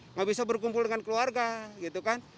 nggak bisa berkumpul dengan keluarga gitu kan